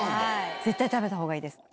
絶対食べたほうがいいです。